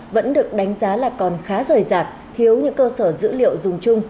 vẫn được đánh giá là còn khá rời rạc thiếu những cơ sở dữ liệu dùng chung